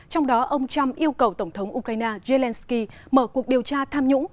trong đó ông trump yêu cầu tổng thống ukraine zelensky mở cuộc điều tra tham nhũng